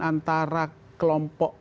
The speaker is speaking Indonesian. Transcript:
antara kelompok mujahidin yang mereka